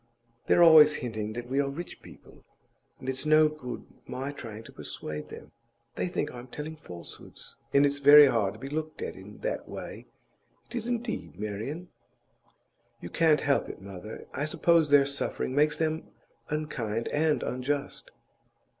They're always hinting that we are rich people, and it's no good my trying to persuade them. They think I'm telling falsehoods, and it's very hard to be looked at in that way; it is, indeed, Marian.' 'You can't help it, mother. I suppose their suffering makes them unkind and unjust.